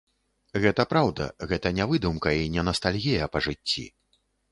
Гэта праўда, гэта не выдумка, і не настальгія па жыцці.